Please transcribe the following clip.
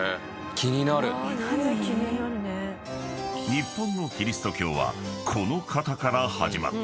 ［日本のキリスト教はこの方から始まった］